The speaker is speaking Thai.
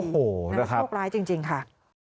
โอ้โหนะคะโคกร้ายจริงค่ะ